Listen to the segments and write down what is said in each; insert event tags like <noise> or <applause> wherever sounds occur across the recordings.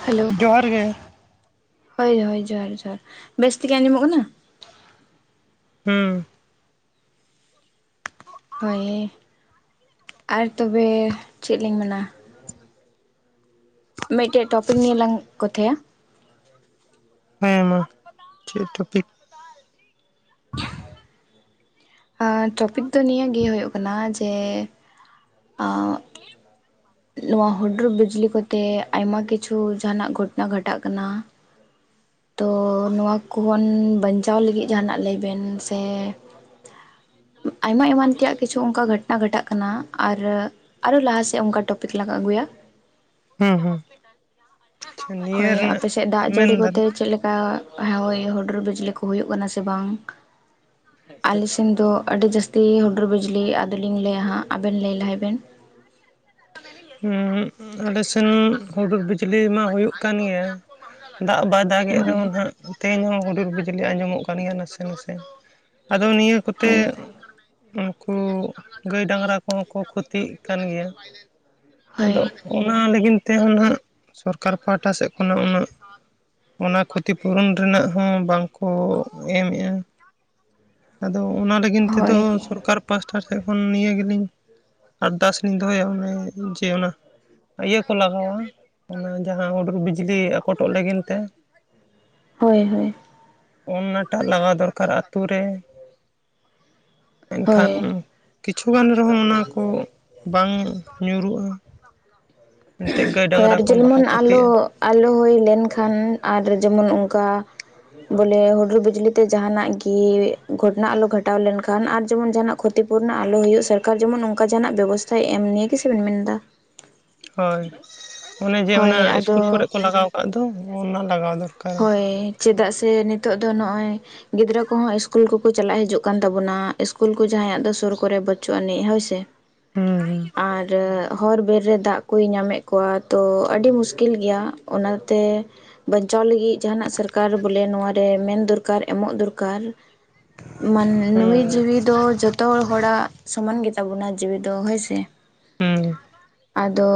Hello ᱡᱚᱦᱟᱨ ᱜᱮ᱾ ᱦᱳᱭ ᱦᱳᱭ ᱡᱚᱦᱟᱨ ᱡᱚᱦᱟᱨ, ᱵᱮᱥ ᱛᱮᱜᱮ ᱟᱸᱡᱚᱢᱚᱜ ᱠᱟᱱᱟ? ᱦᱩᱸ ᱦᱳᱭ ᱟᱨ ᱛᱚᱵᱮ ᱪᱮᱫ ᱞᱤᱧ ᱢᱮᱱᱟ? ᱢᱤᱫᱴᱮᱡ ᱴᱚᱯᱤᱠ ᱱᱤᱭᱟᱹ ᱞᱟᱝ ᱠᱚᱛᱷᱟᱭᱟ᱾ ᱦᱮᱸᱢᱟ ᱪᱮᱫ ᱴᱚᱯᱤᱠ? ᱚᱸ ᱴᱚᱯᱤᱠ ᱫᱚ ᱱᱤᱭᱟᱹ ᱜᱮ ᱦᱩᱭᱩᱜ ᱠᱟᱱᱟ ᱡᱮ ᱚᱸ᱾ ᱱᱚᱣᱟ ᱦᱩᱰᱩᱨ ᱵᱤᱡᱽᱞᱤ ᱠᱚᱛᱮ ᱟᱭᱢᱟ ᱠᱤᱪᱷᱩ ᱡᱟᱦᱟᱸᱱᱟᱜ ᱜᱷᱚᱴᱚᱱᱟ ᱜᱷᱟᱴᱟᱜ ᱠᱟᱱᱟ᱾ ᱛᱚ ᱱᱚᱣᱟ ᱠᱚ ᱠᱷᱚᱱ ᱵᱟᱧᱪᱟᱣ ᱞᱟᱹᱜᱤᱫ ᱡᱟᱦᱟᱱᱟᱜ ᱞᱟᱹᱭ ᱵᱮᱱ ᱥᱮ <inaudible> ᱟᱭᱢᱟ ᱮᱢᱟᱱ ᱛᱮᱭᱟᱜ ᱠᱤᱪᱷᱩ ᱚᱱᱠᱟ ᱜᱷᱴᱱᱟ ᱜᱷᱚᱴᱟᱜ ᱠᱟᱱᱟ ᱟᱨ ᱟᱨᱚ ᱞᱟᱦᱟᱥᱮᱫ ᱚᱱᱠᱟ ᱴᱚᱼᱼ <unintelligible> ᱞᱟᱜᱟ ᱟ. ᱜᱩᱜᱩᱭᱟ ᱾ ᱦᱩᱸ ᱦᱩᱸ᱾ ᱱᱤᱭᱟᱹ ᱦᱳᱭ ᱨᱮᱱᱟᱜ ᱟᱯᱮᱥᱮᱫ ᱫᱟᱜ ᱡᱟᱹᱲᱤ ᱠᱚᱛᱮ ᱢᱮᱱᱫᱟᱞᱤᱧ ᱪᱮᱫ ᱞᱮᱠᱟ? ᱦᱳᱭ ᱦᱩᱰᱩᱨ ᱵᱤᱡᱽᱞᱤ ᱠᱚ ᱦᱩᱭᱩᱜ ᱠᱟᱱᱟ ᱥᱮ ᱵᱟᱝ? ᱟᱞᱮ ᱥᱮᱱ ᱫᱚ ᱟᱹᱰᱤ ᱡᱟᱹᱥᱛ ᱛᱤ ᱦᱩᱰᱩᱨ ᱵᱤᱡᱞᱤ ᱟᱫᱚᱞᱤᱧ ᱞᱟᱹᱭᱟ ᱦᱟᱸᱜ ᱟᱵᱮᱱ ᱞᱟᱹᱭ ᱞᱟᱦᱟᱭ ᱵᱮᱱ᱾ ᱦᱩᱸ ᱟᱞᱮ ᱥᱮᱱ ᱦᱩᱰᱩᱨ ᱵᱤᱡᱽᱞᱤ ᱢᱟ ᱦᱩᱭᱩᱜ ᱠᱟᱱ ᱜᱮᱭᱟ᱾ ᱫᱟᱜ ᱵᱟᱭ ᱫᱟᱜ ᱮᱫ ᱦᱳᱭ ᱨᱮᱦᱚᱸ ᱦᱟᱸᱜ ᱛᱮᱦᱮᱧ ᱦᱚᱸ ᱦᱩᱰᱩᱨ ᱵᱤᱡᱽᱞᱤ ᱟᱸᱡᱚᱢᱚᱜ ᱠᱟᱱ ᱜᱮᱭᱟ ᱱᱟᱥᱮ ᱱᱟᱥᱮ᱾ ᱟᱫᱚ ᱱᱤᱭᱟᱹ ᱠᱚᱛᱮ ᱦᱳᱭ ᱩᱱ ᱠᱚ ᱜᱟᱹᱭ ᱰᱟᱝᱨᱟ ᱠᱚᱦᱚᱸ ᱠᱚ ᱠᱷᱚᱛᱤᱜ ᱠᱟᱱ ᱜᱮᱭᱟ ᱦᱳᱭ ᱟᱫᱚ ᱚᱱᱟ ᱞᱟᱹᱜᱤᱫ ᱛᱮᱦᱚᱸ ᱱᱟᱸᱜ ᱥᱚᱨᱠᱟᱨ ᱯᱟᱦᱴᱟ ᱥᱮᱫ ᱠᱷᱚᱱᱟᱜ ᱩᱱᱟᱹᱜ ᱚᱱᱟ ᱠᱷᱚᱛᱤ ᱯᱩᱨᱚᱱ ᱨᱮᱱᱟᱜ ᱦᱚᱸ ᱵᱟᱝᱠᱚ ᱮᱢ ᱮᱜᱼᱟ᱾ ᱟᱫᱚ ᱚᱱᱟ ᱞᱟᱹᱜᱤᱱ ᱛᱮᱫᱚ ᱦᱳᱭ ᱥᱚᱨᱠᱟᱨ ᱯᱟᱥᱴᱟ ᱴᱷᱮᱱ ᱠᱷᱚᱱ ᱱᱤᱭᱟᱹ ᱜᱮᱞᱤᱧ ᱟᱨᱫᱟᱥ ᱞᱤᱧ ᱫᱚᱦᱚᱭᱟ ᱚᱱᱮ ᱡᱮ ᱚᱱᱟ ᱤᱭᱟᱹ ᱠᱚ ᱞᱟᱜᱟᱣᱟ ᱚᱱᱟ ᱡᱟᱦᱟᱸ ᱦᱩᱰᱩᱨ ᱵᱤᱡᱽᱞᱤ ᱟᱠᱚᱴᱚᱜ ᱞᱟᱹᱜᱤᱱ ᱛᱮ <unintelligible> ᱦᱳᱭ ᱦᱳᱭ᱾ ᱚᱱᱱᱟᱴᱟᱜ ᱞᱟᱜᱟᱣ ᱫᱚᱨᱠᱟᱨ ᱟᱹᱛᱩ ᱨᱮ᱾ ᱦᱳᱭ ᱮᱱᱠᱷᱟᱱ ᱠᱤᱪᱷᱩᱜᱟᱱ ᱨᱮᱦᱚᱸ ᱚᱱᱟ ᱠᱚ ᱵᱟᱝ᱾ ᱧᱩᱨᱩᱜᱼᱟ, ᱮᱱᱛᱮᱫ ᱜᱟᱹᱭᱼ ᱦᱳᱭ ᱰᱟᱝᱨᱟ ᱟᱨ ᱠᱚᱦᱚᱸ ᱵᱟᱠᱚ ᱡᱮᱢᱚᱱ ᱟᱞᱚ ᱠᱷᱚᱛᱤᱜᱼᱟ᱾ ᱟᱞᱚ ᱦᱳᱭ ᱞᱮᱱᱠᱷᱟᱱ ᱟᱨ ᱡᱮᱢᱚᱱ ᱚᱱᱠᱟ ᱵᱚᱞᱮ ᱦᱩᱰᱩᱨ ᱵᱤᱡᱽᱞᱤ ᱛᱮ ᱡᱟᱦᱟᱸᱱᱟᱜ ᱜᱮ ᱜᱷᱚᱴᱱᱟ ᱟᱞᱚ ᱜᱷᱟᱴᱟᱣ ᱞᱮᱱᱠᱷᱟᱱ ᱟᱨ ᱡᱮᱢᱚᱱ ᱡᱟᱦᱟᱸᱱᱟᱜ ᱠᱷᱚᱛᱤᱯᱩᱨᱱᱚ ᱟᱞᱚ ᱦᱩᱭᱩᱜ ᱥᱚᱨᱠᱟᱨ ᱡᱮᱢᱚᱱ ᱚᱱᱠᱟ ᱡᱟᱦᱟᱱᱟᱜ ᱵᱮᱵᱚᱥᱛᱷᱟᱭ ᱮᱢ ᱱᱤᱭᱮ ᱜᱮ ᱥᱮ ᱵᱮᱱ ᱢᱮᱱ ᱮᱫᱟ? ᱦᱳᱭ, ᱚᱱᱮ ᱡᱮ ᱦᱳᱭ ᱚᱱᱟ ᱟᱫᱚ ᱤᱥᱠᱩᱞ ᱠᱚᱨᱮ ᱠᱚ ᱞᱟᱜᱟᱣ ᱠᱟᱜ ᱫᱚ ᱚᱱᱟ ᱞᱟᱜᱟᱣ ᱫᱚᱨᱠᱟᱨ᱾ ᱦᱚᱭ ᱪᱮᱫᱟᱜ ᱥᱮ ᱱᱤᱛᱚᱜ ᱫᱚ ᱱᱚᱜᱼᱚᱭ ᱜᱤᱫᱽᱨᱟᱹ ᱠᱚᱦᱚᱸ ᱥᱠᱩᱞ ᱠᱚᱠᱚ ᱪᱟᱞᱟᱜ ᱦᱤᱡᱩᱜ ᱠᱟᱱ ᱛᱟᱵᱚᱱᱟ ᱥᱠᱩᱞ ᱠᱚ ᱡᱟᱦᱟᱸᱭᱟᱜ ᱫᱚ ᱥᱩᱨ ᱠᱚᱨᱮ ᱵᱟᱹᱪᱩᱜ ᱟᱹᱱᱤᱡ ᱦᱚᱭᱥᱮ ᱦᱩᱸ ᱟᱨ ᱦᱚᱨ ᱵᱮᱨ ᱨᱮ ᱫᱟᱜ ᱠᱚᱭ ᱧᱟᱢᱮᱫ ᱠᱚᱣᱟ ᱛᱚ ᱟᱹᱰᱤ ᱢᱩᱥᱠᱤᱞ ᱜᱮᱭᱟ ᱚᱱᱟᱛᱮ ᱵᱟᱧᱪᱟᱣ ᱞᱟᱹᱜᱤᱫ ᱡᱟᱦᱟᱸᱱᱟᱜ ᱥᱚᱨᱠᱟᱨ ᱵᱚᱞᱮ ᱱᱚᱣᱟᱨᱮ ᱢᱮᱱ ᱫᱚᱨᱠᱟᱨ ᱮᱢᱚᱜ ᱫᱚᱨᱠᱟᱨ ᱢᱟᱱ ᱦᱩᱸ ᱦᱩᱸ ᱱᱩᱭ ᱡᱤᱣᱤ ᱫᱚ ᱡᱚᱛᱚ ᱦᱚᱲᱟᱜ ᱥᱚᱢᱟᱱ ᱜᱮᱛᱟᱵᱚᱱᱟ ᱡᱤᱣᱤ ᱫᱚ ᱦᱚᱭᱥᱮ ᱦᱩᱸ ᱟᱫᱚ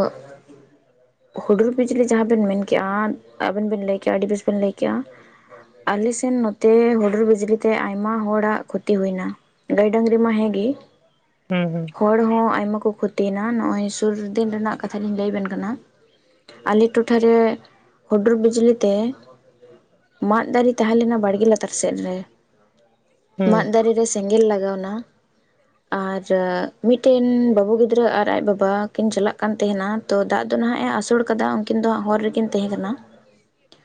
ᱦᱩᱰᱩᱨ ᱵᱤᱡᱽᱞᱤ ᱡᱟᱦᱟᱸ ᱵᱮᱱ ᱢᱮᱱᱠᱮᱫᱼᱟ ᱟᱵᱮᱱ ᱵᱮᱱ ᱞᱟᱹᱭ ᱪᱮ ᱟᱹᱰᱤ ᱵᱮᱥ ᱵᱮᱱ ᱞᱟᱹᱭ ᱠᱮᱜᱼᱟ ᱟᱞᱮᱥᱮᱱ ᱱᱚᱛᱮ ᱦᱩᱰᱩᱨ ᱵᱤᱡᱽᱞᱤ ᱛᱮ ᱟᱭᱢᱟ ᱦᱚᱲᱟᱜ ᱠᱷᱚᱛᱤ ᱦᱩᱭᱮᱱᱟ ᱜᱟᱹᱭ ᱰᱟᱝᱨᱤ ᱢᱟ ᱦᱮᱸ ᱜᱮ ᱦᱩᱸ ᱦᱩᱸ ᱦᱚᱲ ᱦᱚᱸ ᱟᱭᱢᱟ ᱠᱚ ᱠᱷᱚᱛᱤᱭᱮᱱᱟ ᱱᱚᱜᱼᱚᱭ ᱥᱩᱨ ᱫᱤᱱ ᱨᱮᱱᱟᱜ ᱠᱟᱛᱷᱟ ᱞᱤᱧ ᱞᱟᱹᱭ ᱟᱵᱮᱱ ᱠᱟᱱᱟ ᱟᱞᱮ ᱴᱚᱴᱷᱟᱨᱮ ᱦᱩᱰᱩᱨ ᱵᱤᱡᱽᱞᱤ ᱛᱮ ᱢᱟᱫ ᱫᱟᱨᱮ ᱛᱟᱦᱮᱸ ᱞᱮᱱᱟ ᱵᱟᱲᱜᱮ ᱞᱟᱛᱟᱨ ᱥᱮᱫ ᱨᱮ ᱢᱟᱸᱫ ᱫᱟᱨᱮᱨᱮ ᱥᱮᱸᱜᱮᱞ ᱞᱟᱜᱟᱣᱱᱟ ᱟᱨ ᱢᱤᱫᱴᱮᱱ ᱵᱟᱹᱦᱩ ᱜᱤᱫᱽᱨᱟᱹ ᱟᱨ ᱟᱡ ᱵᱟᱵᱟ ᱠᱤᱱ ᱪᱟᱞᱟᱜ ᱠᱟᱱ ᱛᱟᱦᱮᱱᱟ ᱛᱚ ᱫᱟᱜ ᱫᱚ ᱱᱟᱦᱟᱜ ᱮ ᱟᱹᱥᱩᱞ ᱟᱠᱟᱫᱟ ᱩᱱᱠᱤᱱ ᱫᱚ ᱦᱟᱜ ᱦᱚᱨ ᱨᱮᱠᱤᱱ ᱛᱟᱦᱮᱸ ᱠᱟᱱᱟ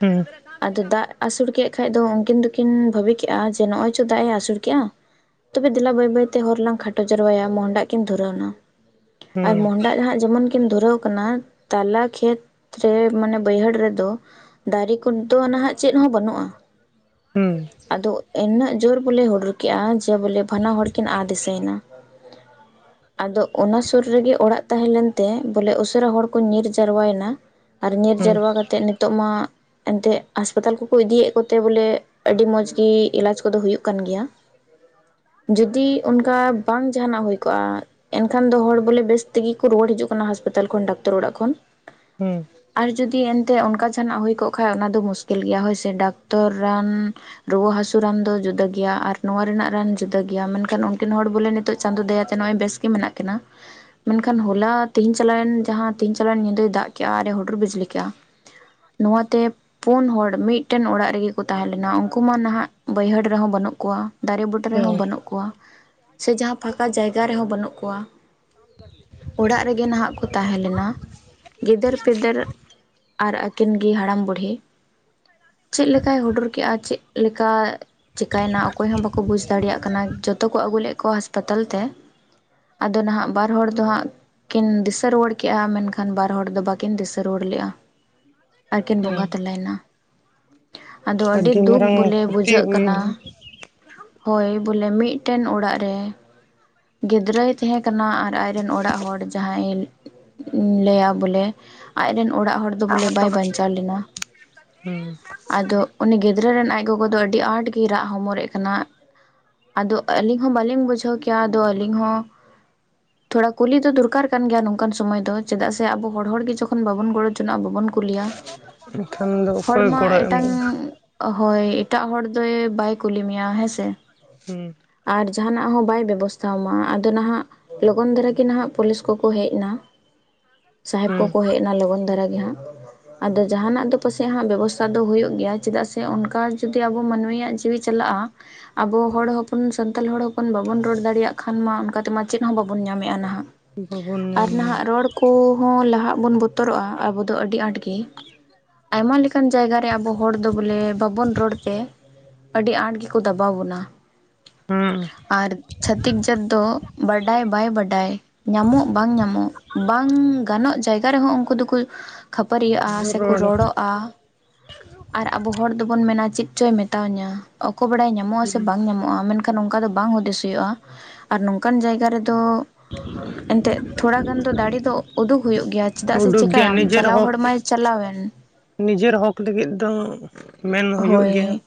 ᱦᱩᱸ ᱟᱫᱚ ᱫᱟᱜ ᱟᱹᱥᱩᱲ ᱠᱮᱫ ᱠᱷᱟᱡ ᱫᱚ ᱩᱱᱠᱤᱱ ᱫᱚᱠᱤᱱ ᱵᱷᱟᱵᱤ ᱠᱮᱼᱟ ᱡᱮ ᱱᱚᱜᱚᱭ ᱪᱚ ᱫᱟᱜ ᱮ ᱟᱹᱥᱩᱲ ᱠᱮᱼᱟ ᱛᱚᱵᱮ ᱫᱮᱞᱟ ᱵᱟᱹᱭᱼᱵᱟᱹᱭᱛᱮ ᱦᱚᱨᱞᱟᱝ ᱠᱷᱟᱴᱚ ᱡᱟᱣᱟᱭᱟ ᱢᱚᱦᱰᱟᱜ ᱠᱤᱱ ᱫᱷᱩᱨᱟᱹᱣ ᱮᱱᱟ ᱟᱨ ᱢᱚᱦᱰᱟ ᱞᱟᱦᱟᱸᱜ ᱡᱮᱢᱚᱱᱤᱢ ᱠᱤ ᱫᱷᱩᱨᱟᱹᱣ ᱚᱱᱟ ᱛᱟᱞᱟ ᱠᱷᱮᱛ ᱨᱮ ᱢᱟᱱᱮ ᱵᱟᱹᱭᱦᱟᱹᱲ ᱨᱮᱫᱚ ᱫᱟᱨᱮ ᱠᱚᱫᱚ ᱱᱟᱸᱦᱟᱜ ᱪᱮᱫ ᱦᱚᱸ ᱵᱟᱹᱱᱩᱜᱼᱟ᱾ ᱦᱩᱸ ᱟᱫᱚ ᱤᱱᱟᱹ ᱡᱳᱨ ᱵᱚᱞᱮ ᱦᱩᱰᱩᱨ ᱠᱮᱜᱼᱟ ᱡᱮ ᱵᱚᱞᱮ ᱵᱟᱱᱟ ᱦᱚᱲ ᱠᱤᱱ ᱟ ᱫᱤᱥᱟᱹᱭᱮᱱᱟ᱾ ᱟᱫᱚ ᱚᱱᱟ ᱥᱩᱨ ᱨᱮᱜᱮ ᱚᱲᱟᱜ ᱛᱟᱦᱮᱸ ᱞᱮᱱᱛᱮ ᱵᱚᱞᱮ ᱩᱥᱟᱹᱨᱟ ᱦᱚᱲ ᱠᱚ ᱧᱤᱨ ᱡᱟᱨᱣᱟᱭᱮᱱᱟ ᱟᱨ ᱧᱤᱨ ᱡᱟᱣᱨᱟ ᱠᱟᱛᱮᱫ ᱱᱤᱛᱚᱜ ᱢᱟ ᱮᱱᱛᱮᱫ ᱦᱟᱸᱥᱯᱟᱛᱟᱞ ᱠᱚᱠᱚ ᱤᱫᱤᱭᱮᱫ ᱠᱚᱛᱮ ᱵᱚᱞᱮ ᱟᱹᱰᱤ ᱢᱚᱸᱡᱽ ᱜᱤ ᱮᱞᱟᱡᱽ ᱠᱚᱫᱚ ᱦᱩᱭᱩᱜ ᱠᱟᱱ ᱜᱮᱭᱟ ᱡᱩᱫᱤ ᱚᱱᱠᱟ ᱵᱟᱝ ᱡᱟᱦᱟᱱᱟᱜ ᱦᱩᱭ ᱠᱚᱜᱼᱟ ᱮᱱᱠᱷᱟᱱ ᱫᱚ ᱦᱚᱲ ᱵᱚᱞᱮ ᱵᱮᱥ ᱛᱮᱜᱮ ᱠᱚ ᱨᱩᱣᱟᱹᱲ ᱦᱤᱡᱩᱜ ᱠᱟᱱᱟ ᱦᱟᱸᱥᱯᱟᱛᱟᱞ ᱠᱷᱚᱱ ᱰᱟᱠᱛᱟᱨ ᱚᱲᱟᱜ ᱠᱷᱚᱱ ᱦᱩᱸ ᱟᱨ ᱡᱩᱫᱤ ᱮᱱᱛᱮᱜ ᱚᱱᱠᱟ ᱡᱟᱦᱱᱟᱜ ᱦᱩᱭ ᱠᱚᱜ ᱠᱷᱟᱱ ᱚᱱᱟ ᱫᱚ ᱢᱩᱥᱠᱤᱞ ᱜᱮᱭᱟ ᱦᱚᱭᱥᱮ ᱰᱟᱠᱛᱚᱨ ᱨᱟᱱ ᱨᱩᱣᱟᱹ ᱦᱟᱹᱥᱩ ᱨᱟᱱ ᱫᱚ ᱡᱩᱫᱟᱹ ᱜᱮᱭᱟ ᱟᱨ ᱱᱚᱣᱟ ᱨᱮᱱᱟᱜ ᱨᱟᱱ ᱡᱩᱫᱟᱹ ᱜᱮᱭᱟ ᱢᱮᱱᱠᱷᱟᱱ ᱩᱱᱠᱤᱱ ᱦᱚᱲ ᱵᱚᱞᱮ ᱱᱤᱛᱚᱜ ᱪᱟᱸᱫᱳ ᱫᱟᱭᱟᱛᱮ ᱱᱚᱜᱼᱚᱭ ᱵᱮᱥ ᱢᱮᱱᱟᱜ ᱠᱤᱱᱟ ᱢᱮᱱᱠᱷᱟᱱ ᱦᱚᱞᱟ ᱛᱮᱦᱮᱧ ᱪᱟᱞᱟᱣᱮᱱ ᱡᱟᱦᱟᱸ ᱤᱧ ᱪᱟᱞᱟᱜᱼᱟ ᱧᱤᱫᱟᱹ ᱫᱟᱜ ᱠᱮᱜᱼᱟ ᱟᱨ ᱦᱩᱰᱩᱨ ᱵᱤᱡᱽᱞᱤ ᱠᱮᱜᱼᱟ ᱱᱚᱣᱟ ᱯᱩᱱ ᱦᱚᱲ ᱢᱤᱫᱴᱮᱱ ᱚᱲᱟᱜ ᱨᱮᱜᱮ ᱠᱚ ᱛᱟᱦᱮᱸ ᱞᱮᱱᱟ ᱩᱱᱠᱩ ᱢᱟ ᱱᱟᱦᱟᱜ ᱵᱟᱹᱭᱦᱟᱹᱲ ᱨᱮᱦᱚᱸ ᱵᱟᱹᱱᱩᱜ ᱠᱚᱣᱟ ᱫᱟᱨᱮ ᱵᱩᱴᱟᱹ ᱨᱮᱦᱚᱸ ᱵᱟᱹᱱᱩᱜ ᱠᱚᱣᱟ ᱥᱮ ᱡᱟᱦᱟᱸ ᱯᱷᱟᱸᱠᱟ ᱡᱟᱭᱜᱟ ᱨᱮᱦᱚᱸ ᱵᱟᱹᱱᱩᱜ ᱠᱚᱣᱟ᱾ ᱚᱲᱟᱜ ᱨᱮᱜᱮ ᱱᱟᱦᱟᱜ ᱠᱚ ᱛᱟᱦᱮᱸ ᱞᱮᱱᱟ ᱜᱤᱫᱟᱹᱨᱼᱯᱤᱫᱟᱹᱨ ᱟᱨ ᱟᱹᱠᱤᱱ ᱜᱮ ᱦᱟᱲᱟᱢ ᱵᱩᱲᱦᱤ ᱩᱠᱩᱛ <inaudible> ᱪᱮᱫ ᱞᱮᱠᱟᱭ ᱦᱩᱰᱚᱨ ᱠᱮᱜᱼᱟ ᱪᱮᱫ ᱞᱮᱠᱟ ᱪᱤᱠᱟᱹᱭᱮᱱᱟ ᱚᱠᱚᱭ ᱦᱚᱸ ᱵᱟᱠᱚ ᱵᱩᱡᱽ ᱫᱟᱲᱮᱭᱟᱜ ᱠᱟᱱᱟ ᱡᱚᱛᱚ ᱠᱚ ᱟᱹᱜᱩ ᱞᱮᱫ ᱠᱚᱣᱟ ᱦᱟᱸᱥᱯᱟᱛᱟᱞ ᱛᱮ ᱟᱫᱚ ᱱᱟᱦᱟᱜ ᱵᱟᱨ ᱦᱚᱲ ᱫᱚ ᱦᱟᱜ ᱠᱤᱱ ᱫᱤᱥᱟᱹ ᱨᱩᱣᱟᱹᱲ ᱠᱮᱫᱼᱟ ᱢᱮᱱᱠᱷᱟᱱ ᱵᱟᱨ ᱦᱚᱲ ᱫᱚ ᱵᱟᱟᱹᱠᱤᱱ ᱫᱤᱥᱟᱹ ᱨᱩᱣᱟᱹᱲ ᱞᱮᱜᱼᱟ ᱟᱨᱠᱤᱱ ᱵᱚᱸᱜᱟ ᱛᱟᱞᱟᱭᱮᱱᱟ ᱟᱫᱚ ᱟᱹᱰᱤ ᱫᱩᱠ ᱢᱟᱨᱟᱝ ᱵᱚᱞᱮ ᱠᱷᱚᱛᱤ ᱵᱩᱡᱷᱟᱹᱜ ᱠᱟᱱᱟ᱾ ᱦᱩᱭᱱᱟ ᱦᱳᱭ ᱵᱚᱞᱮ ᱢᱤᱜᱴᱮᱱ ᱚᱲᱟᱜ ᱨᱮ ᱜᱤᱫᱽᱨᱟᱹᱭ ᱛᱟᱦᱮᱸ ᱠᱟᱱᱟ ᱟᱨ ᱟᱡᱨᱮᱱ ᱚᱲᱟᱜ ᱦᱚᱲ ᱡᱟᱦᱟᱸᱭ ᱜᱮ ᱞᱟᱹᱭᱟ ᱵᱚᱞᱮ ᱟᱡᱨᱮᱱ ᱚᱲᱟᱜ ᱦᱚᱲ ᱫᱚ ᱵᱚᱞᱮ ᱵᱟᱭ ᱵᱟᱧᱪᱟᱣᱜ ᱪᱟᱣ ᱞᱮᱱᱟ᱾ ᱟᱫᱚ ᱩᱱᱤ ᱜᱤᱫᱽᱨᱟᱹ ᱨᱮᱱ ᱟᱡ ᱜᱚᱜᱚ ᱫᱚ ᱟᱹᱰᱤ ᱟᱸᱴ ᱜᱮᱭ ᱨᱟᱜ ᱦᱚᱢᱚᱨᱮᱜ ᱠᱟᱱᱟ᱾ ᱟᱫᱚ ᱟᱹᱞᱤᱝ ᱦᱚᱸ ᱵᱟᱹᱞᱤᱧ ᱵᱩᱡᱷᱟᱹᱣ ᱠᱮᱭᱟ ᱟᱫᱚ ᱟᱹᱞᱤᱝ ᱦᱚᱸ ᱛᱷᱚᱲᱟ ᱠᱩᱞᱤ ᱫᱚ ᱫᱚᱨᱠᱟᱨ ᱠᱟᱱ ᱜᱮᱭᱟ ᱱᱚᱝᱠᱟᱱ ᱥᱚᱢᱚᱭ ᱫᱚ ᱪᱮᱫᱟᱜ ᱥᱮ ᱟᱵᱚ ᱦᱚᱲ ᱦᱚᱲ ᱜᱮ ᱡᱚᱠᱷᱚᱱ ᱵᱟᱵᱚᱱ ᱜᱚᱲ ᱪᱚᱱᱟᱜᱼᱟ ᱵᱟᱵᱚᱱ ᱠᱩᱞᱤᱭᱟ ᱮᱱᱠᱷᱟᱱ ᱫᱚ ᱚᱠᱚᱭ ᱜᱚᱲᱚᱭ ᱮᱢᱚᱜᱼᱟ? ᱚᱦᱚᱭ ᱮᱴᱟᱜ ᱦᱚᱲ ᱫᱚᱭ ᱵᱟᱭ ᱠᱩᱞᱤ ᱢᱮᱭᱟ ᱦᱮᱸᱥᱮ᱾ ᱦᱩᱸ ᱟᱨ ᱡᱟᱦᱟᱱᱟᱜ ᱦᱚᱸ ᱵᱟᱭ ᱵᱮᱵᱚᱥᱛᱷᱟ ᱣᱟᱢᱟ, ᱟᱫᱚ ᱱᱟᱦᱟᱜ ᱞᱚᱜᱚᱱ ᱫᱷᱟᱨᱟ ᱜᱤ ᱱᱟᱦᱟᱜ ᱯᱩᱞᱤᱥ ᱠᱚᱠᱚ ᱦᱮᱜ ᱱᱟ, ᱥᱟᱦᱮᱵᱽ ᱦᱩᱸ ᱠᱚᱠᱚ ᱦᱮᱡ ᱱᱟ ᱞᱚᱜᱚᱱ ᱫᱷᱟᱨᱟ ᱜᱮ ᱦᱟᱸᱜ᱾ ᱟᱫᱚ ᱡᱟᱦᱟᱱᱟᱜ ᱫᱚ ᱯᱟᱥᱮᱜ ᱵᱮᱵᱚᱥᱛᱷᱟ ᱫᱚ ᱦᱩᱭᱩᱜ ᱜᱮᱭᱟ, ᱪᱮᱫᱟᱜ ᱥᱮ ᱚᱱᱠᱟ ᱡᱩᱫᱤ ᱟᱵᱚ ᱢᱟᱱᱢᱤᱭᱟᱜ ᱪᱤᱣᱤ ᱪᱟᱞᱟᱜᱼᱟ᱾ ᱟᱵᱚ ᱦᱚᱲ ᱦᱚᱯᱚᱱ ᱥᱟᱱᱛᱟᱞ ᱦᱚᱲ ᱦᱚᱯᱚᱱ ᱵᱟᱵᱚᱱ ᱨᱚᱲ ᱫᱟᱲᱮᱭᱟᱜ ᱠᱷᱟᱱ ᱢᱟ ᱚᱱᱠᱟ ᱛᱮᱢᱟ ᱪᱮᱫ ᱦᱚᱸ ᱵᱟᱵᱚᱱ ᱧᱟᱢᱮᱜᱼᱟ ᱱᱟᱦᱟᱜ᱾ ᱦᱩᱸ ᱵᱟᱵᱚᱱ ᱟᱨ ᱧᱟᱢ ᱱᱟᱦᱟᱜ ᱨᱚᱲ ᱠᱩ ᱦᱚᱸ ᱞᱟᱦᱟᱜ ᱵᱚᱱ ᱵᱚᱛᱚᱨᱚᱜᱼᱟ ᱟᱵᱚ ᱫᱚ ᱟᱹᱰᱤ ᱟᱸᱴ ᱜᱮ ᱜᱮ ᱟᱭᱢᱟ ᱞᱮᱠᱟᱱ ᱡᱟᱭᱜᱟ ᱨᱮ ᱟᱵᱚ ᱦᱚᱲ ᱫᱚ ᱵᱚᱞᱮ ᱵᱟᱵᱚᱱ ᱨᱚᱲ ᱛᱮ ᱟᱹᱰᱤ ᱟᱸᱴ ᱜᱮᱠᱚ ᱫᱟᱵᱟᱣ ᱵᱚᱱᱟ᱾ ᱟᱸ ᱟᱨ ᱪᱷᱟᱹᱛᱤᱠ ᱡᱟᱹᱛ ᱫᱚ ᱵᱟᱰᱟᱭ ᱵᱟᱭ ᱵᱟᱰᱟᱭ ᱧᱟᱢᱚᱜ ᱵᱟᱝ ᱧᱟᱢᱚᱜ ᱵᱟᱝ ᱜᱟᱱᱚᱜ ᱡᱟᱭᱜᱟ ᱨᱮᱦᱚᱸ ᱩᱱᱠᱩ ᱫᱚᱠᱚ ᱠᱷᱟᱹᱯᱟᱹᱨᱤᱭᱟᱹᱜᱼᱟ ᱥᱮᱠᱚ ᱨᱚᱲ ᱨᱚᱲᱚᱜᱼᱟ᱾ ᱟᱨ ᱟᱵᱚ ᱦᱚᱲ ᱫᱚᱵᱚᱱ ᱢᱮᱱᱟ ᱪᱮᱫ ᱪᱚᱭ ᱢᱮᱛᱣᱟᱹᱧᱟ ᱚᱠᱚ ᱵᱟᱲᱟᱭ ᱧᱟᱢᱚᱜᱼᱟ ᱥᱮ ᱵᱟᱝ ᱧᱟᱢᱚᱜ ᱢᱚᱜᱼᱟ ᱢᱮᱱᱠᱷᱟᱱ ᱚᱝᱠᱟ ᱫᱚ ᱵᱟᱝ ᱦᱩᱫᱤᱥ ᱦᱩᱭᱩᱜᱼᱟ ᱟᱨ ᱱᱚᱝᱠᱟᱱ ᱡᱟᱭᱜᱟ ᱨᱮᱫᱚ <inaudible> ᱮᱱᱛᱮᱜ ᱛᱷᱚᱲᱟ ᱜᱟᱱ ᱫᱚ ᱫᱟᱲᱤ ᱫᱚ ᱩᱫᱩᱜ ᱦᱩᱭᱩᱜ ᱜᱮᱭᱟ᱾ ᱪᱮᱫᱟᱜ ᱥᱮ ᱩᱰᱩᱠ ᱜᱮᱭᱟ ᱪᱤᱠᱟᱭᱟᱢ ᱱᱤᱡᱮᱨ ᱪᱟᱞᱟᱣ ᱦᱚᱸᱠ ᱦᱚᱲ ᱢᱟᱭ ᱪᱟᱞᱟᱣᱮᱱ᱾ ᱱᱤᱡᱮᱨ ᱦᱚᱠ ᱞᱟᱹᱜᱤᱫ ᱫᱚ ᱢᱮᱱ ᱦᱩᱭᱩᱜ ᱜᱮᱭᱟ᱾ ᱦᱳᱭ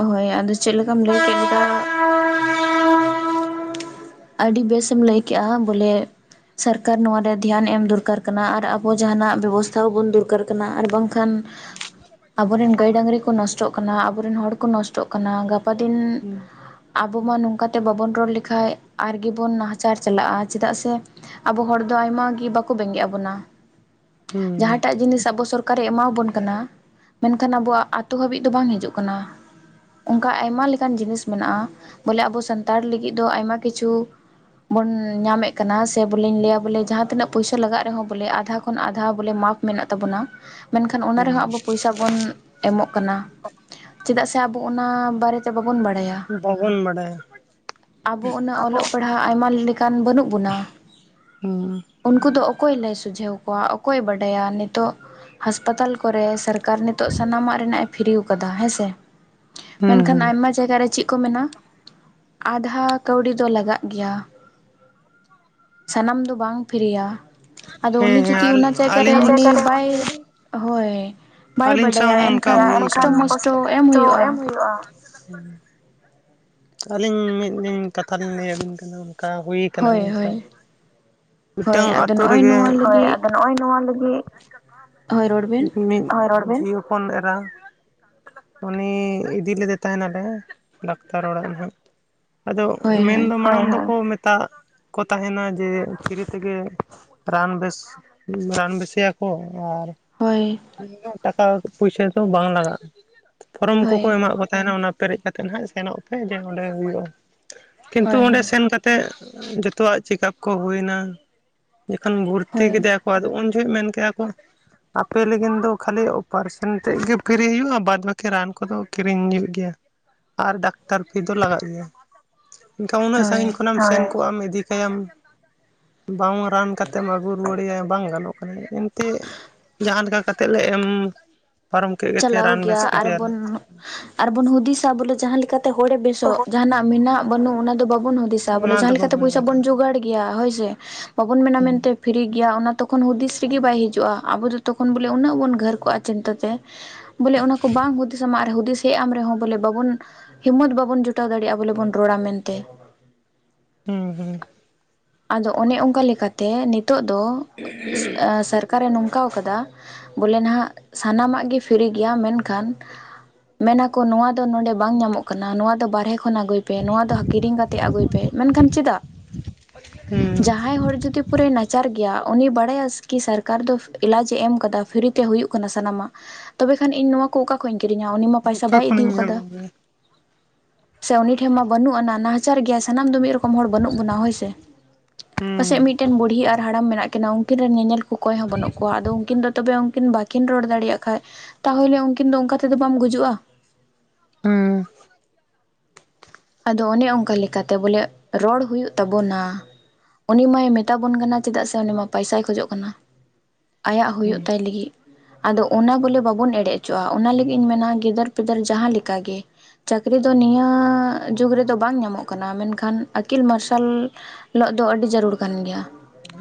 ᱦᱳᱭ ᱟᱫᱚ ᱪᱮᱜ ᱞᱮᱠᱟᱢ ᱞᱟᱹᱭ ᱠᱮᱫ ᱞᱮᱠᱟ ᱟᱹᱰᱤ ᱵᱮᱥ ᱮᱢ ᱞᱟᱹᱭ ᱠᱮᱜᱼᱟ, ᱵᱚᱞᱮ ᱥᱟᱨᱠᱟᱨ ᱱᱚᱣᱟ ᱨᱮ ᱫᱷᱮᱭᱟᱱ ᱮᱢ ᱫᱚᱨᱠᱟᱨ ᱠᱟᱱᱟ ᱟᱨ ᱟᱵᱚ ᱡᱟᱦᱟᱱᱟᱜ ᱵᱮᱵᱚᱥᱛᱷᱟ ᱦᱚᱸ ᱵᱚᱱ ᱫᱚᱨᱠᱟᱨ ᱠᱟᱱᱟ ᱟᱨ ᱵᱟᱝᱠᱷᱟᱱ ᱟᱵᱚᱨᱮᱱ ᱜᱟᱹᱭ ᱰᱟᱹᱝᱨᱤ ᱠᱚ ᱱᱚᱥᱴᱚᱜ ᱠᱟᱱᱟ ᱟᱵᱚᱨᱮᱱ ᱦᱚᱲ ᱠᱚ ᱱᱚᱥᱴᱚᱜ ᱠᱟᱱᱟ ᱜᱟᱯᱟ ᱫᱤᱱ ᱦᱩᱸ ᱟᱵᱚ ᱢᱟ ᱱᱚᱝᱠᱟ ᱛᱮ ᱵᱟᱵᱚᱱ ᱨᱚᱲ ᱞᱮᱠᱷᱟᱡ ᱟᱨᱜᱮᱵᱚᱱ ᱱᱟᱦᱟᱪᱟᱨ ᱪᱟᱞᱟᱜᱼᱟ ᱪᱮᱫᱟᱜ ᱥᱮ ᱟᱵᱚ ᱦᱚᱲ ᱫᱚ ᱟᱭᱢᱟ ᱜᱮ ᱵᱟᱠᱩ ᱵᱮᱸᱜᱮᱜ ᱟᱵᱚᱱᱟ ᱦᱩᱸ ᱡᱟᱦᱟᱸᱴᱟᱜ ᱡᱤᱱᱤᱥ ᱟᱵᱚ ᱥᱚᱨ ᱠᱟᱨᱮ ᱮᱢᱟᱣᱵᱚᱱ ᱠᱟᱱᱟ ᱢᱮᱱᱠᱷᱟᱱ ᱟᱵᱚᱣᱟᱜ ᱟᱛᱳ ᱦᱟᱹᱵᱤᱡ ᱫᱚ ᱵᱟᱝ ᱦᱤᱡᱩᱜ ᱠᱟᱱᱟ᱾ ᱚᱝᱠᱟ ᱟᱭᱢᱟ ᱞᱮᱠᱟᱱ ᱡᱤᱱᱤᱥ ᱢᱮᱱᱟᱜᱼᱟ᱾ ᱵᱚᱞᱮ ᱟᱵᱚ ᱥᱟᱱᱛᱟᱲ ᱞᱟᱹᱜᱤᱜ ᱫᱚ ᱟᱭᱢᱟ ᱠᱤᱪᱷᱩ ᱵᱚᱱ ᱧᱟᱢᱮᱜ ᱠᱟᱱᱟ ᱥᱮ ᱵᱚᱞᱮᱧ ᱞᱟᱹᱭᱟ ᱵᱚᱞᱮ ᱡᱟᱦᱟᱸ ᱛᱤᱱᱟᱹᱜ ᱯᱚᱭᱥᱟ ᱞᱟᱜᱟᱜ ᱨᱮᱦᱚᱸ ᱵᱚᱞᱮ ᱟᱫᱷᱟ ᱠᱷᱚᱱ ᱟᱫᱷᱟ ᱵᱚᱞᱮ ᱢᱟᱜᱽ ᱢᱮᱱᱟᱜ ᱛᱟᱵᱚᱱᱟ ᱢᱮᱱᱠᱷᱟᱱ ᱚᱱᱟ ᱨᱮᱦᱚᱸ ᱟᱵᱚ ᱯᱚᱭᱥᱟ ᱵᱚᱱ ᱮᱢᱚᱜ ᱠᱟᱱᱟ ᱪᱮᱫᱟᱜ ᱥᱮ ᱟᱵᱚ ᱚᱱᱟ ᱵᱟᱨᱮᱛᱮ ᱵᱟᱵᱚᱱ ᱵᱟᱲᱟᱭᱟ ᱵᱚᱵᱚᱱ ᱵᱟᱰᱟᱭᱟ᱾ ᱟᱵᱚ ᱩᱱᱟᱹᱜ ᱚᱞᱚᱜ ᱯᱟᱲᱦᱟᱜ ᱟᱭᱢᱟ ᱞᱮᱠᱟᱱ ᱵᱟᱹᱱᱩᱜ ᱵᱚᱱᱟ᱾ ᱚᱸ ᱩᱱᱠᱩ ᱫᱚ ᱚᱠᱚᱭ ᱞᱟᱹᱭ ᱥᱩᱡᱷᱟᱹᱣ ᱠᱚᱣᱟ ᱚᱠᱚᱭ ᱵᱟᱰᱟᱭᱟ ᱱᱤᱛᱚᱜ ᱦᱟᱥᱯᱟᱛᱟᱞ ᱠᱚᱨᱮ ᱥᱟᱨ ᱠᱟᱨ ᱱᱤᱛᱚᱜ ᱥᱟᱱᱟᱢᱟᱜ ᱨᱮᱱᱟᱜ ᱮ ᱯᱷᱤᱨᱤᱣ ᱠᱟᱫᱟ ᱦᱮᱸᱥᱮ᱾ ᱦᱩᱸ ᱢᱮᱱᱠᱷᱟᱱ ᱦᱩᱸ ᱟᱭᱢᱟ ᱡᱟᱭᱜᱟ ᱨᱮ ᱪᱮᱜ ᱠᱚ ᱢᱮᱱᱟ ᱟᱫᱷᱟ ᱠᱟᱹᱣᱰᱤ ᱫᱚ ᱞᱟᱜᱟᱜ ᱜᱮᱭᱟ᱾ ᱥᱟᱱᱟᱢ ᱫᱚ ᱵᱟᱝ ᱯᱷᱤᱨᱤᱭᱟ᱾ ᱟᱫᱚ ᱦᱮᱸ ᱩᱱᱤ ᱦᱮᱸ ᱡᱩᱫᱤ ᱟᱞ ᱚᱱᱟ ᱡᱟᱭᱜᱟ ᱨᱮ ᱟᱹᱞᱤᱧ ᱩᱱᱤ ᱵᱟᱭ ᱦᱳᱭ ᱵᱟᱭ ᱵᱟᱰᱟᱭᱟ ᱮᱱᱠᱷᱟᱱ ᱠᱚᱥᱴᱚ ᱢᱚᱥᱴᱚ ᱛᱚ ᱮᱢ ᱦᱩᱭᱩᱜᱼᱟ ᱟᱹᱞᱤᱧ ᱢᱤᱫ ᱫᱤᱱ ᱠᱟᱛᱷᱟ ᱞᱤᱧ ᱞᱟᱹᱭ ᱟᱹᱵᱤᱱ ᱠᱟᱱᱟ ᱚᱱᱠᱟ ᱦᱩᱭ ᱠᱟᱱᱟ ᱦᱳᱭ ᱟᱹᱞᱤᱧ ᱦᱳᱭ ᱥᱟᱜ ᱦᱳᱭ ᱢᱤᱫᱴᱟᱝ ᱟᱫᱚ ᱟᱛᱳ ᱱᱚᱜᱼᱚᱭ ᱨᱮᱜᱮ ᱱᱚᱣᱟ ᱦᱳᱭ ᱞᱟᱹᱜᱤᱫ ᱟᱫᱚ ᱱᱚᱜᱼᱚᱭ ᱱᱚᱣᱟ ᱞᱟᱹᱜᱤᱫ ᱦᱳᱭ ᱨᱚᱲ ᱵᱮᱱ ᱢᱤᱫ ᱫᱷᱟᱣ ᱨᱚᱲ ᱤᱭᱟᱹ ᱯᱷᱚᱱ ᱮᱨᱟ ᱩᱱᱤ ᱤᱫᱤ ᱞᱮᱫᱮ ᱛᱟᱦᱮᱱᱟᱞᱮ ᱰᱟᱠᱛᱟᱨ ᱚᱲᱟᱜ ᱦᱟᱸᱜ ᱟᱫᱚ ᱦᱳᱭ ᱦᱳᱭ ᱢᱮᱱᱫᱚ ᱢᱟᱲᱟᱝ ᱫᱚᱠᱚ ᱢᱮᱛᱟᱜ ᱠᱚ ᱛᱟᱦᱮᱱᱟ ᱡᱮ ᱯᱷᱤᱨᱤ ᱛᱮᱜᱮ ᱨᱟᱱ ᱵᱮᱥ ᱨᱟᱱ ᱵᱮᱥᱮᱭᱟᱠᱚ ᱟᱨ ᱦᱳᱭ ᱴᱟᱠᱟ ᱯᱩᱭᱥᱟᱹ ᱫᱚ ᱵᱟᱝ ᱞᱟᱜᱟᱜᱼᱟ ᱯᱷᱚᱨᱚᱢ ᱠᱚᱠᱚ ᱦᱳᱭ ᱮᱢᱟᱜ ᱠᱚ ᱛᱟᱦᱮᱱᱟ ᱚᱱᱟ ᱯᱮᱨᱮᱡ ᱠᱟᱛᱮᱫ ᱦᱟᱸᱜ ᱥᱮᱱᱚᱜ ᱯᱮ ᱡᱮ ᱚᱸᱰᱮ ᱦᱩᱭᱩᱜᱼᱟ ᱠᱤᱱᱛᱩ ᱦᱳᱭ ᱚᱸᱰᱮ ᱥᱮᱱ ᱠᱟᱛ ᱛᱮ, ᱡᱚᱛᱚᱣᱟᱜ ᱪᱮᱠᱟᱯ ᱠᱚ ᱦᱩᱭᱱᱟ ᱡᱚᱠᱷᱚᱱ ᱵᱷᱚᱨᱛᱤ ᱦᱳᱭ ᱠᱮᱫᱮᱭᱟ ᱟᱫᱚ ᱩᱱ ᱡᱚᱦᱚᱜ ᱢᱮᱱ ᱠᱮᱜ-ᱟ ᱠᱚ ᱟᱯᱮ ᱞᱟᱹᱜᱤᱱ ᱫᱚ ᱠᱷᱟᱹᱞᱤ ᱚᱯᱟᱨᱮᱥᱚᱱ ᱛᱮᱫ ᱜᱮ ᱯᱷᱤᱨᱤ ᱦᱩᱭᱩᱜ-ᱟ ᱵᱟᱫᱽ ᱵᱟᱠᱤ ᱨᱟᱱ ᱠᱚᱫᱚ ᱠᱤᱨᱤᱧ ᱦᱩᱭᱩᱜ ᱜᱮᱭᱟ ᱟᱨ ᱰᱟᱠᱛᱟᱨ ᱯᱷᱤ ᱫᱚ ᱞᱟᱜᱟᱜ ᱜᱮᱭᱟ ᱮᱱᱠᱷᱟᱱ ᱩᱱᱟᱹᱜ ᱥᱟᱹᱜᱤᱧ ᱦᱳᱭ ᱠᱷᱚᱱᱮᱢ ᱥᱮᱱ ᱠᱚᱜ-ᱟᱢ ᱤᱫᱤ ᱠᱟᱭᱟᱢ ᱵᱟᱝ ᱨᱟᱱ ᱠᱟᱛᱮᱢ ᱟᱹᱜᱩ ᱨᱩᱣᱟᱹᱲᱮᱭᱟ ᱵᱟᱝ ᱜᱟᱱᱚᱜ ᱠᱟᱱᱟ ᱮᱱᱛᱮ ᱡᱟᱦᱟᱸ ᱞᱮᱠᱟ ᱠᱟᱛᱮᱜ ᱞᱮ ᱮᱢ ᱯᱟᱨᱚᱢ ᱠᱮᱫ ᱜᱮᱛᱮ ᱪᱟᱞᱟᱣ ᱨᱟᱱ ᱵᱮᱥ ᱜᱮᱭᱟ ᱠᱮᱫᱮᱭᱟᱞᱮ ᱟᱨᱵᱚᱱ ᱟᱨᱵᱚᱱ ᱦᱩᱫᱤᱥᱟ ᱵᱚᱞᱮ ᱡᱟᱦᱟᱸ ᱞᱮᱠᱟᱛᱮ ᱦᱚᱲᱮ ᱵᱮᱥᱚᱜ ᱡᱟᱦᱟᱱᱟᱜ ᱢᱮᱱᱟᱜ ᱵᱟᱹᱱᱩᱜ ᱚᱱᱟ ᱫᱚ ᱵᱟᱵᱚᱱ ᱦᱩᱫᱤᱥ ᱡᱟ ᱵᱚᱞᱮ ᱚᱱᱟ ᱫᱚ ᱡᱟᱦᱟᱸ ᱞᱮᱠᱟᱛᱮ ᱵᱟᱵᱚᱱ ᱯᱚᱭᱥᱟ ᱧᱟᱢᱟ ᱵᱚᱱ ᱡᱚᱜᱟᱲ ᱜᱮᱭᱟ ᱦᱳᱭ ᱥᱮ ᱵᱟᱵᱚᱱ ᱢᱮᱱᱟ ᱦᱩᱸ ᱢᱮᱱᱛᱮ ᱯᱷᱤᱨᱤ ᱜᱮᱭᱟ ᱚᱱᱟ ᱛᱚᱠᱷᱚᱱ ᱦᱩᱫᱤᱥ ᱨᱮᱜᱮ ᱵᱟᱭ ᱦᱤᱡᱩᱜᱼᱟ ᱟᱵᱚ ᱫᱚ ᱛᱚᱠᱷᱚᱱ ᱵᱚᱞᱮ ᱩᱱᱟᱹᱜ ᱵᱚᱱ ᱜᱷᱟᱹᱨ ᱠᱚᱜᱼᱟ ᱪᱤᱱᱛᱟᱹ ᱛᱮ ᱵᱚᱞᱮ ᱚᱱᱟ ᱠᱚ ᱵᱟᱝ ᱦᱩᱫᱤᱥ ᱟᱢᱟ ᱟᱨ ᱦᱩᱫᱤᱥ ᱦᱮᱡ ᱟᱢ ᱨᱮᱦᱚᱸ ᱵᱚᱞᱮ ᱵᱟᱵᱚᱱ ᱦᱤᱢᱚᱛ ᱵᱟᱵᱚᱱ ᱡᱩᱴᱟᱣ ᱫᱟᱲᱮᱭᱟᱜᱼᱟ ᱵᱚᱞᱮ ᱵᱚᱱ ᱨᱚᱲᱟ ᱢᱮᱱᱛᱮ ᱦᱩᱸ ᱦᱩᱸ ᱟᱫᱚ ᱚᱱᱮ ᱚᱱᱠᱟ ᱞᱮᱠᱟᱛᱮ ᱱᱤᱛᱚᱜ ᱫᱚ <inaudible> ᱥᱚᱨᱠᱟᱨᱮ ᱱᱚᱝᱠᱟ ᱟᱠᱟᱫᱟ ᱵᱚᱞᱮ ᱱᱟᱦᱟᱜ ᱥᱟᱱᱟᱢᱟᱜ ᱜᱮ ᱯᱷᱤᱨᱤ ᱜᱮᱭᱟ ᱢᱮᱱᱠᱷᱟᱱ ᱢᱮᱱᱟᱠᱚ ᱱᱚᱣᱟ ᱫᱚ ᱱᱚᱰᱮ ᱵᱟᱝ ᱧᱟᱢᱚᱜ ᱠᱟᱱᱟ ᱱᱚᱣᱟ ᱫᱚ ᱵᱟᱨᱦᱮ ᱠᱷᱚᱱ ᱟᱜᱩᱭ ᱯᱮ ᱱᱚᱣᱟ ᱫᱚ ᱠᱤᱨᱤᱧ ᱠᱟᱛᱮ ᱟᱹᱜᱩᱭ ᱯᱮ ᱢᱮᱱᱠᱷᱟᱱ ᱪᱮᱫᱟᱜ? ᱡᱟᱦᱟᱸ ᱦᱩᱸ ᱡᱟᱦᱟᱸᱭ ᱦᱚᱲ ᱡᱩᱫᱤ ᱯᱩᱨᱮ ᱱᱟᱪᱟᱨ ᱜᱮᱭᱟ ᱩᱱᱤ ᱵᱟᱲᱟᱭᱟ ᱠᱤ ᱥᱚᱨᱠᱟᱨ ᱫᱚ ᱮᱞᱟᱡᱽ ᱮᱢ ᱟᱠᱟᱫᱟ ᱯᱷᱨᱤᱛᱮ ᱦᱩᱭᱩᱜ ᱠᱟᱱᱟ ᱥᱟᱱᱟᱢᱟᱜ ᱛᱚᱵᱮ ᱠᱷᱟᱱ ᱤᱧ ᱱᱚᱣᱟ ᱠᱚ ᱚᱠᱟ ᱠᱷᱚᱭᱜ ᱤᱧ ᱠᱤᱨᱤᱧᱟ ᱩᱱᱤ ᱢᱟ ᱯᱟᱭᱥᱟ ᱚᱠᱟ ᱵᱟᱭ ᱤᱫᱤᱣ ᱠᱷᱚᱱᱤᱧ ᱧᱟᱢᱟ ᱠᱟᱫᱟ ᱥᱮ ᱩᱱᱤ ᱴᱷᱮᱱ ᱢᱟ ᱵᱟᱹᱱᱩᱜ ᱟᱱᱟ ᱱᱟᱦᱟᱪᱟᱨ ᱜᱮᱭᱟᱭ ᱥᱟᱱᱟᱢ ᱫᱚ ᱢᱤᱫ ᱨᱚᱠᱚᱢ ᱦᱚᱲ ᱵᱟᱹᱱᱩᱜ ᱵᱚᱱᱟ ᱦᱳᱭᱥᱮ ᱯᱟᱥᱮᱡ ᱦᱩᱸ ᱢᱤᱫᱴᱮᱱ ᱵᱩᱲᱦᱤ ᱟᱨ ᱦᱟᱲᱟᱢ ᱢᱮᱱᱟᱜ ᱠᱤᱱᱟᱹ ᱩᱱᱠᱤᱱ ᱨᱮᱱ ᱧᱮᱧᱮᱞ ᱠᱚ ᱚᱠᱚᱭ ᱦᱚᱸ ᱵᱟᱹᱱᱩᱜ ᱠᱚᱣᱟ ᱟᱫᱚ ᱩᱝᱠᱤᱱ ᱫᱚ ᱛᱚᱵᱮ ᱩᱝᱠᱤᱱ ᱵᱟᱠᱤᱱ ᱨᱚᱲ ᱫᱟᱲᱮᱭᱟᱜ ᱠᱷᱟᱡ ᱛᱟᱦᱚᱞᱮ ᱩᱝᱠᱤᱱ ᱫᱚ ᱚᱝᱠᱟ ᱛᱮᱫᱚ ᱵᱟᱢ ᱜᱩᱡᱩᱜᱼᱟ ᱦᱩᱸ ᱟᱫᱚ ᱚᱱᱮ ᱚᱝᱠᱟ ᱞᱮᱠᱟᱛᱮ ᱵᱚᱞᱮ ᱨᱚᱲ ᱦᱩᱭᱩᱜ ᱛᱟᱵᱚᱱᱟ ᱩᱱᱤ ᱢᱟᱭ ᱢᱮᱛᱟ ᱵᱚᱱ ᱠᱟᱱᱟ ᱪᱮᱫᱟᱜ ᱥᱮ ᱩᱱᱤ ᱢᱟ ᱯᱟᱭᱥᱟᱭ ᱠᱷᱚᱡᱚᱜ ᱠᱟᱱᱟ ᱟᱭᱟᱜ ᱦᱩᱭᱩᱜ ᱛᱟᱭ ᱦᱩᱸ ᱞᱟᱹᱜᱤᱫ ᱟᱫᱚ ᱚᱱᱟ ᱵᱚᱞᱮ ᱵᱟᱵᱚᱱ ᱮᱲᱮ ᱚᱪᱚᱜᱼᱟ ᱚᱱᱟ ᱞᱟᱹᱜᱤᱫ ᱤᱧ ᱢᱮᱱᱟ ᱜᱤᱫᱟᱹᱨ ᱯᱤᱫᱟᱹᱨ ᱡᱟᱦᱟᱸ ᱞᱮᱠᱟ ᱜᱮ ᱪᱟᱹᱠᱨᱤ ᱫᱚ ᱱᱤᱭᱟᱹ ᱡᱩᱜ ᱨᱮᱫᱚ ᱵᱟᱝ ᱧᱟᱢᱚᱜ ᱠᱟᱱᱟ᱾ ᱢᱮᱱᱠᱷᱟᱱ ᱟᱹᱠᱤᱞ ᱢᱟᱨᱥᱟᱞ ᱦᱤᱞᱚᱜ ᱫᱚ ᱟᱹᱰᱤ ᱡᱟᱹᱨᱩᱲ ᱠᱟᱱ ᱜᱮᱭᱟ᱾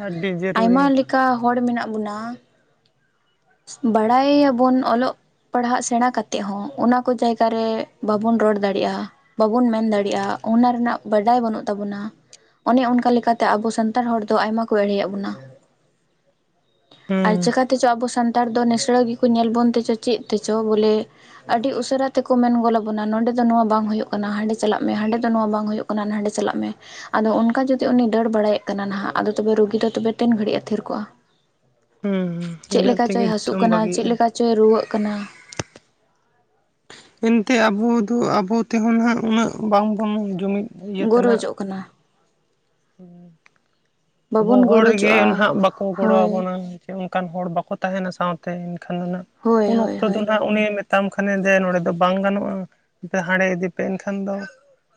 ᱟᱹᱰᱤ ᱵ ᱡᱟᱹᱨᱩᱨᱤ ᱚᱠᱟ ᱦᱚᱲ ᱢᱮᱱᱟᱜ ᱵᱚᱱᱟ ᱵᱟᱲᱟᱭᱟᱵᱚᱱ ᱚᱞᱚᱜ ᱯᱟᱲᱦᱟᱜ ᱥᱮᱬᱟ ᱠᱟᱛᱮ ᱦᱚᱸ ᱚᱱᱟ ᱠᱚ ᱡᱟᱭᱜᱟ ᱨᱮ ᱵᱟᱵᱚᱱ ᱨᱚᱲ ᱫᱟᱲᱮᱭᱟᱜᱼᱟ ᱵᱟᱵᱚᱱ ᱢᱮᱱ ᱫᱟᱲᱮᱭᱟᱜᱼᱟ ᱚᱱᱟ ᱨᱮᱱᱟᱜ ᱵᱟᱰᱟᱭ ᱵᱟᱹᱱᱩᱜ ᱛᱟᱵᱚᱱᱟ ᱚᱱᱮ ᱚᱱᱠᱟ ᱞᱮᱠᱟᱛᱮ ᱟᱵᱚ ᱥᱟᱱᱛᱟᱲ ᱦᱚᱲ ᱫᱚ ᱟᱭᱢᱟ ᱠᱚ ᱮᱲᱮᱭᱮᱫ ᱵᱚᱱᱟ ᱟᱨ ᱦᱩᱸ ᱪᱤᱠᱟᱛᱮᱪᱚ ᱟᱵᱚ ᱥᱟᱱᱛᱟᱲ ᱫᱚ ᱱᱤᱥᱲᱟᱹ ᱜᱮᱠᱚ ᱧᱮᱞ ᱵᱚᱱ ᱛᱮᱪᱚ ᱪᱮᱫ ᱛᱮᱪᱚ ᱵᱚᱞᱮ ᱟᱹᱰᱤ ᱩᱥᱟᱹᱨᱟ ᱛᱮᱠᱚ ᱢᱮᱱ ᱜᱚᱞ ᱟᱵᱚᱱᱟ ᱱᱚᱰᱮ ᱫᱚ ᱱᱚᱣᱟ ᱵᱟᱝ ᱦᱩᱭᱩᱜ ᱠᱟᱱᱟ ᱦᱟᱸᱰᱮ ᱪᱟᱞᱟᱜ ᱢᱮ ᱦᱟᱸᱰᱮ ᱫᱚ ᱱᱚᱣᱟ ᱵᱟᱝ ᱦᱩᱭᱩᱜ ᱠᱟᱱᱟᱱᱟᱜ ᱦᱟᱸᱰᱮ ᱪᱟᱞᱟᱜ ᱢᱮ ᱟᱫᱚ ᱚᱱᱠᱟ ᱡᱩᱫᱤ ᱩᱱᱤ ᱫᱟᱹᱲ ᱵᱟᱲᱟᱭᱮᱫ ᱠᱟᱱᱟ ᱱᱟᱦᱟᱜ ᱟᱫᱚ ᱛᱚᱵᱮ ᱨᱩᱜᱤ ᱫᱚ ᱛᱚᱵᱮ ᱛᱮᱱ ᱜᱷᱟᱹᱲᱤᱡ-ᱟ ᱛᱷᱤᱨ ᱠᱚᱜ-ᱟ ᱦᱩᱸ ᱤᱱᱟᱹᱜ ᱛᱮᱜᱮ ᱦᱟᱹᱥᱩᱜ ᱫᱤᱥᱚᱢ ᱠᱟᱱᱟ ᱪᱮᱫ ᱵᱷᱟᱹᱜᱤᱜᱼᱟ ᱞᱮᱠᱟ ᱪᱚᱭ ᱨᱩᱣᱟᱹᱜ ᱠᱟᱱᱟ? ᱮᱱᱛᱮ ᱟᱵᱚ ᱫᱚ ᱟᱵᱚ ᱛᱮᱦᱚᱸ ᱩᱱᱟᱜ ᱩᱱᱟᱹᱜ ᱵᱟᱝᱵᱚᱱ ᱡᱩᱢᱤᱫ ᱤᱭᱟᱹᱛᱮ ᱱᱟᱦᱟᱜ ᱜᱚᱨᱚᱡᱚᱜ ᱠᱟᱱᱟ᱾ ᱟᱵᱚ ᱵᱟᱵᱚᱱ ᱦᱚᱲ ᱨᱮᱜᱮ ᱱᱟᱦᱱᱟᱜ ᱜᱚᱨᱚᱡᱚᱜᱼᱟ ᱵᱟᱠᱚ ᱜᱚᱲᱚ ᱦᱳᱭ ᱟᱵᱚᱱᱟ᱾ ᱚᱱᱠᱟᱱ ᱦᱚᱲ ᱵᱟᱠᱚ ᱛᱟᱦᱮᱱᱟ ᱥᱟᱶᱛᱮ ᱮᱱᱠᱷᱟᱱ ᱫᱚᱜ ᱦᱳᱭ ᱩᱱ ᱦᱳᱭ ᱚᱠᱛᱚ ᱫᱚ ᱦᱳᱭ ᱱᱟᱦᱟᱜ ᱩᱱᱤ ᱛᱟᱢ ᱠᱷᱟᱱᱮ ᱡᱮ ᱱᱚᱸᱰᱮ ᱫᱚ ᱵᱟᱝ ᱜᱟᱱᱚᱜᱼᱟ ᱟᱮ ᱦᱟᱸᱰᱮ ᱤᱫᱤᱯᱮ ᱮᱱᱠᱷᱟᱱ ᱫᱚ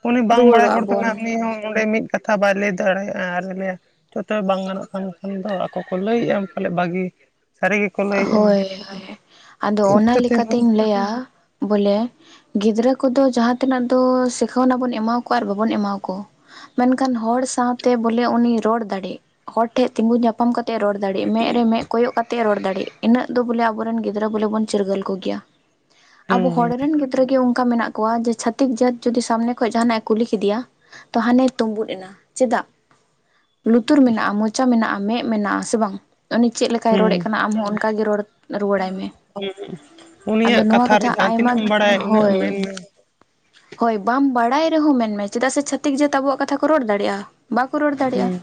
ᱩᱱᱤ ᱵᱟᱝ ᱵᱟᱲᱟᱭ ᱨᱩᱣᱟᱹᱲᱚᱜᱼᱟ ᱦᱚᱲ ᱵᱚᱱ ᱠᱟᱱᱟ ᱩᱱᱤ ᱦᱚᱸ ᱚᱸᱰᱮ ᱢᱤᱫ ᱠᱟᱛᱷᱟ ᱵᱟᱭ ᱞᱟᱹᱭ ᱫᱟᱲᱮᱭᱟᱜᱼᱟ᱾ ᱟᱨᱮ ᱞᱟᱹᱭᱟ ᱡᱚᱛᱚ ᱵᱟᱝ ᱜᱟᱱᱚᱜ ᱠᱟᱱ ᱠᱷᱟᱱ ᱫᱚ ᱟᱠᱚ ᱠᱚ ᱞᱟᱹᱭᱮᱜᱼᱟ, ᱯᱟᱞᱮᱫ ᱵᱷᱟᱹᱜᱤ ᱥᱟᱹᱨᱤ ᱜᱮ ᱦᱳᱭ ᱦᱳᱭ ᱟᱫᱚ ᱚᱱᱟ ᱤᱱᱠᱟᱹ ᱛᱮᱦᱚᱸ ᱞᱮᱠᱟᱛᱤᱧ ᱞᱟᱹᱭᱟ ᱵᱚᱞᱮ ᱜᱤᱫᱽᱨᱟᱹ ᱠᱚᱫᱚ ᱡᱟᱦᱟᱸᱛᱤᱱᱟᱹᱜ ᱫᱚ ᱥᱤᱠᱷᱟᱹᱣᱱᱟ ᱵᱚᱱ ᱮᱢᱟ ᱠᱚᱣᱟ ᱟᱨ ᱵᱟᱵᱚᱱ ᱮᱢᱟ ᱠᱚ᱾ ᱢᱮᱱᱠᱷᱟᱱ ᱦᱚᱲ ᱥᱟᱶᱛᱮ ᱵᱚᱞᱮ ᱩᱱᱤ ᱨᱚᱲ ᱫᱟᱲᱮᱜᱭᱟᱜ ᱦᱚᱲ ᱴᱷᱮᱡ ᱛᱤᱸᱜᱩ ᱧᱟᱯᱟᱢ ᱧᱟᱯᱟᱢ ᱠᱟᱛᱮ ᱨᱚᱲ ᱫᱟᱲᱮᱜ ᱢᱟ᱾ ᱢᱮᱫ ᱨᱮ ᱢᱮᱫ ᱠᱚᱭᱚᱜ ᱠᱟᱛᱮ ᱨᱚᱲ ᱤᱱᱟᱹᱜ ᱫᱚ ᱵᱚᱞᱮ ᱟᱵᱚᱨᱮᱱ ᱜᱤᱫᱽᱨᱟᱹ ᱵᱚᱞᱮ ᱵᱚᱱ ᱪᱤᱨᱜᱟᱹᱞ ᱠᱚᱜᱮᱭᱟ᱾ ᱦᱩᱸ ᱟᱵᱚ ᱦᱚᱲ ᱨᱮᱱ ᱜᱤᱫᱽᱨᱟᱹ ᱜᱮ ᱚᱱᱠᱟ ᱢᱮᱱᱟᱜ ᱠᱚ ᱵᱚᱱᱟ᱾ ᱠᱚᱣᱟ ᱡᱮ ᱪᱷᱟᱹᱛᱤᱠ ᱡᱟᱹᱛ ᱡᱩᱫᱤ ᱥᱟᱢᱱᱮ ᱠᱷᱚᱱ ᱡᱟᱦᱟᱱᱟᱜ ᱮ ᱠᱩᱞᱤ ᱠᱮᱫᱮᱭᱟ, ᱛᱚ ᱦᱟᱱᱮ ᱛᱩᱸᱵᱩᱫ ᱮᱱᱟ᱾ ᱪᱮᱫᱟᱜ? ᱞᱩᱛᱩᱨ ᱢᱮᱱᱟᱜᱼᱟ, ᱢᱚᱪᱟ ᱢᱮᱱᱟᱜᱼᱟ, ᱢᱮᱫ ᱢᱮᱱᱟᱜᱼᱟ ᱥᱮ ᱵᱟᱝ ᱩᱱᱤ ᱪᱮᱫᱞ ᱞᱮᱠᱟᱭ ᱦᱩᱸ ᱨᱚᱲᱮᱫ ᱠᱟᱱᱟ ᱟᱢ ᱦᱚᱸ ᱚᱱᱠᱟᱜ ᱜᱮ ᱨᱚᱲ ᱨᱩᱣᱟᱹᱲᱟᱭ ᱢᱮ᱾ ᱦᱮᱸ ᱟᱫᱚ ᱱᱚᱣᱟ ᱠᱟᱛᱷᱟ ᱟᱭᱢᱟ ᱤᱱᱟᱹᱜ ᱦᱳᱭ ᱢᱮᱱ ᱢᱮ ᱦᱳᱭ ᱵᱟᱢ ᱵᱟᱲᱟᱭ ᱨᱮᱦᱚᱸ ᱢᱮᱱᱢᱮ ᱪᱮᱫᱟᱜ ᱥᱮ ᱪᱷᱟᱹᱛᱤᱠ ᱡᱟᱹᱛ ᱟᱵᱚᱣᱟᱜ ᱠᱟᱛᱷᱟ ᱠᱚ ᱨᱚᱲ ᱫᱟᱲᱮᱭᱟᱜᱼᱟ᱾ ᱵᱟᱠᱚ ᱨᱚᱲ ᱫᱟᱲᱮᱜᱼᱟ ᱦᱩᱸ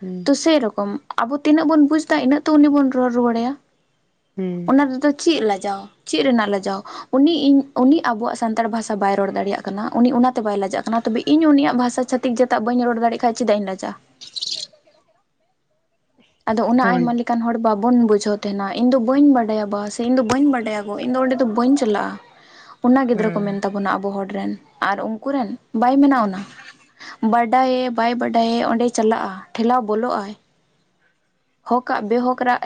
ᱦᱩᱸ ᱛᱚ ᱥᱮᱨᱚᱠᱚᱢ ᱟᱵᱚ ᱛᱤᱱᱟᱹᱜ ᱵᱩᱡᱽ ᱮᱫᱟ ᱤᱱᱟᱹᱜᱚ ᱩᱱᱤ ᱵ ᱨᱚᱲ ᱨᱩᱟᱹᱲᱟᱭᱟ᱾ ᱦᱮᱸ ᱚᱱᱟ ᱨᱮᱫᱚ ᱪᱮᱫ ᱞᱟᱡᱟᱣ ᱪᱮᱫ ᱨᱮᱱᱟᱜ ᱞᱟᱡᱟᱣ? ᱩᱱᱤ ᱤᱧ ᱩᱱᱤ ᱟᱵᱚᱣᱟᱜ ᱥᱟᱱᱛᱟᱲ ᱵᱷᱟᱥᱟ ᱵᱟᱭ ᱨᱚᱲ ᱫᱟᱲᱮᱭᱟᱜ ᱠᱟᱱᱟ, ᱩᱱᱤ ᱚᱱᱟᱛᱮ ᱵᱟᱭ ᱞᱟᱡᱟᱜ ᱠᱟᱱᱟ᱾ ᱛᱚᱵᱮ ᱤ ᱤᱧ ᱩᱱᱤᱭᱟᱜ ᱵᱷᱟᱥᱟ ᱪᱷᱛᱤᱠ ᱡᱟᱛᱟᱜ ᱵᱟᱹᱧ ᱨᱚᱲ ᱫᱟᱲᱮᱜ ᱠᱷᱟᱱ ᱪᱮᱫᱟᱜ ᱤᱧ ᱞᱟᱡᱟ ᱟᱫᱚ ᱚᱱᱟ ᱦᱳᱭ ᱟᱭᱢᱟ ᱞᱮᱠ ᱮᱠᱟᱱ ᱦᱚᱲ ᱵᱟᱵᱚᱱ ᱵᱩᱡᱷᱟᱹᱣ ᱛᱟᱦᱮᱱᱟ ᱤᱧ ᱫᱚ ᱵᱟᱹᱧ ᱵᱟᱰᱟᱭᱟ ᱵᱟ ᱥᱮ ᱤᱧ ᱫᱚ ᱵᱟᱹᱧ ᱵᱟᱰᱟᱭᱟ ᱜᱚ ᱤᱧ ᱫᱚ ᱚᱸᱰᱮ ᱫᱚ ᱵᱟᱹᱧ ᱪᱟᱞᱟᱜᱼᱟ᱾ <inaudible> ᱚᱱᱟ ᱜᱤᱫᱽᱨᱟᱹ ᱠᱚ ᱢᱮᱱ ᱦᱮᱸ ᱛᱟᱵᱚᱱᱟ ᱟᱵᱚ ᱦᱚᱲ ᱨᱮᱱ ᱟᱨ ᱩᱱᱠᱮᱱ ᱵᱟᱭ ᱢᱮᱱᱟᱜ ᱚᱱᱟ᱾ ᱵᱟᱰᱟᱭᱮ ᱵᱟᱭ ᱵᱟᱰᱟᱭᱮ ᱚᱸᱰᱮ ᱪᱟᱞᱟᱜᱼᱟ ᱴᱷᱮᱞᱟᱣ ᱵᱚᱞᱚᱜᱼᱟᱭ᱾ ᱦᱚᱠᱟᱜ ᱵᱮᱦᱚᱠ ᱨᱟᱜ